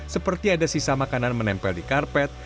seperti ada sisa makanan menempel di karpet